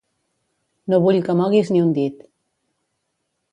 No vull que moguis ni un dit.